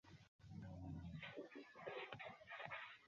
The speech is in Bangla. না, তুমি করনি।